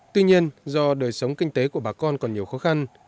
tuy nhiên do đời sống kinh tế của bà con còn nhiều khó khăn